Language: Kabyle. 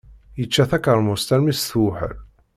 Yečča takermust armi s-tewḥel.